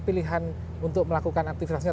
pilihan untuk melakukan aktivitasnya